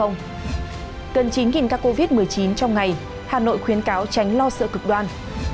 gần chín ca covid một mươi chín trong ngày hà nội khuyến cáo tránh lo sợ cực đoan